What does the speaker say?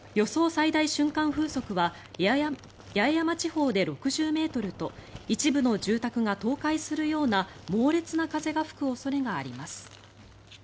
最大瞬間風速は八重山地方で６０ｍと一部の住宅が倒壊するような猛烈な風が吹く恐れがあります。